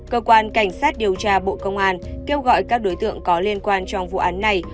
cơ quan cảnh sát điều tra bộ công an kêu gọi các đối tượng có liên quan trong vụ án này